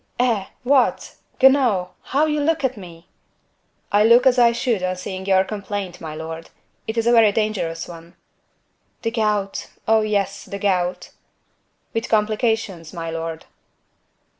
"Eh! what! Guenaud! How you look at me!" "I look as I should on seeing your complaint, my lord; it is a very dangerous one." "The gout—oh! yes, the gout." "With complications, my lord."